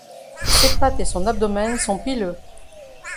Ses pattes et son abdomen sont pileux.